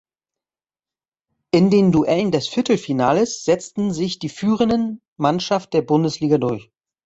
In den Duellen des Viertelfinales setzten sich die führenden Mannschaft der Bundesliga durch.